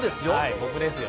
僕ですよ。